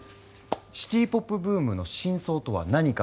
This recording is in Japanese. シティ・ポップブームの真相とは何か。